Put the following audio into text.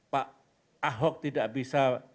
pak ahok tidak bisa